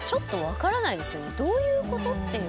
どういうこと？っていう。